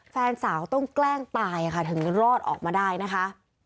แฟนสาวต้องแกล้งตายค่ะถึงรอดออกมาได้นะคะ